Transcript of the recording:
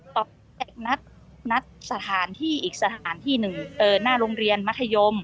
ตอนนั้นนัดนัดสถานที่อีกสถานที่หนึ่งเออหน้าโรงเรียนมัธยม